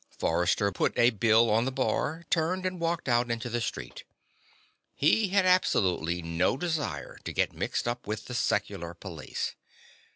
Forrester put a bill on the bar, turned and walked out into the street. He had absolutely no desire to get mixed up with the secular police.